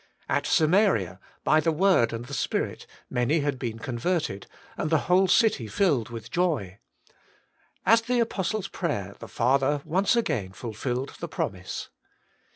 At Samaria, by the word and the Spirit, many WAITING ON GOD! 137 had been converted, and the whole city filled with joy. At the apostles' prayer the Father once again fulfilled the promise.